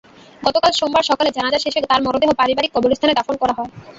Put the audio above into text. গতকাল সোমবার সকালে জানাজা শেষে তাঁর মরদেহ পারিবারিক কবরস্থানে দাফন করা হয়।